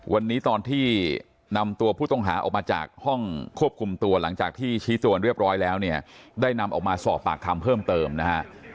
วันนี้ตอนที่นำตัวผู้ต้องหาออกมาจากห้องควบคุมตัวหลังจากที่ชี้ตัวเรียบร้อยแล้วเนี่ยได้นำออกมาสอบปากคำเพิ่มเติมนะฮะ